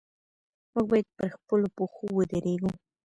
موږ باید پر خپلو پښو ودرېږو.